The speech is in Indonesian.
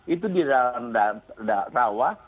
itu di daerah rawa